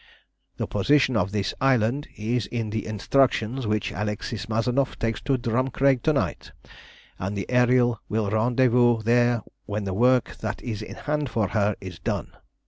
"The position of this island is in the instructions which Alexis Mazanoff takes to Drumcraig to night, and the Ariel will rendezvous there when the work that is in hand for her is done.